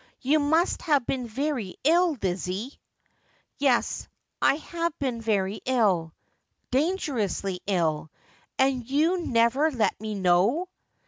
You must have been very ill, Lizzie,' ' Yes, I have been very ill.' ' Dangerously ill. And you never let me know.'